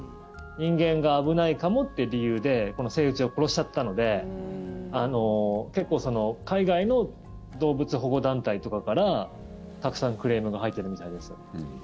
人間が危ないかもっていう理由でこのセイウチを殺しちゃったので結構、海外の動物保護団体とかからたくさんクレームが入ってるみたいです。